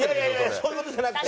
そういう事じゃなくて。